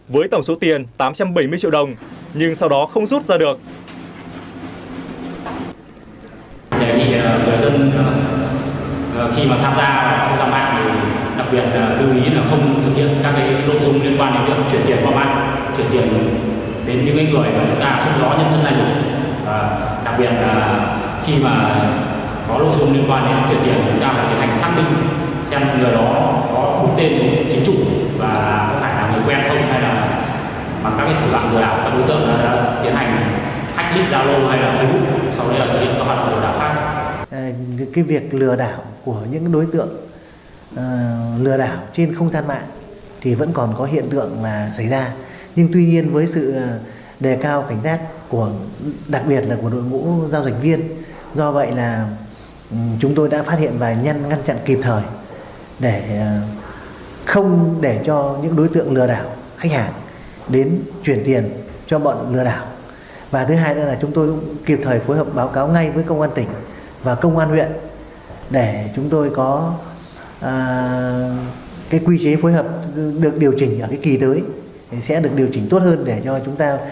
vào tài khoản trên trang web nhiều lần với tổng số tiền tám trăm bảy mươi triệu đồng nhưng sau đó không rút ra được